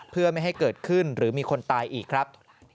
เพื่อไม่ให้เกิดขึ้นหรือมีคนตายอีกครับ